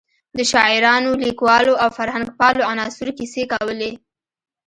د شاعرانو، لیکوالو او فرهنګپالو عناصرو کیسې کولې.